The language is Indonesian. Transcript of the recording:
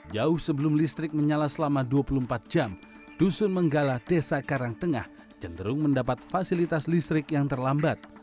jauh sebelum listrik menyala selama dua puluh empat jam dusun menggala desa karangtengah cenderung mendapat fasilitas listrik yang terlambat